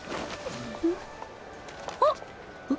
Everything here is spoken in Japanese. あっ！